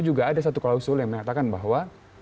juga ada satu klausul yang mengatakan bahwa